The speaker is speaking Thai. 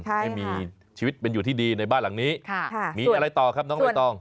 ให้มีชีวิตเป็นอยู่ที่ดีในบ้านหลังนี้มีอะไรต่อครับน้องใบตอง